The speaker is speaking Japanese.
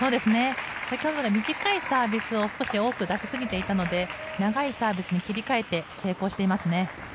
先ほどまでは短いサービスを少し多く出しすぎていたので長いサービスに切り替えて成功していますね。